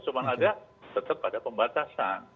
cuma ada tetap ada pembatasan